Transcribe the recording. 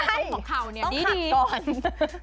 ไม่ต้องหัวข่าวเนี่ยดีต้องขัดก่อน